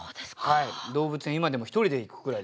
はい動物園今でも一人で行くくらい。